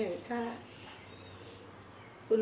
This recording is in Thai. แล้วบอกว่าไม่รู้นะ